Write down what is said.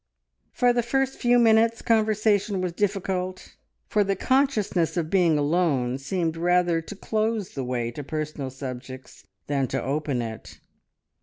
For the first few minutes conversation was difficult, for the consciousness of being alone seemed rather to close the way to personal subjects than to open it.